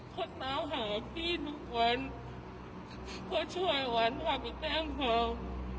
เขาต้องหาพี่ทุกวันเขาช่วยวันทำให้แก้งพร้อม